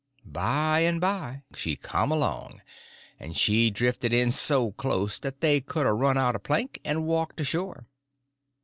By and by she come along, and she drifted in so close that they could a run out a plank and walked ashore.